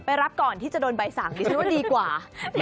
รับก่อนที่จะโดนใบสั่งดิฉันว่าดีกว่า